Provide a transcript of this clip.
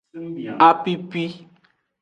Apipi.